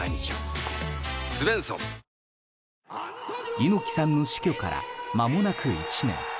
猪木さんの死去からまもなく１年。